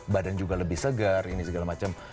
badan juga lebih segar ini segala macam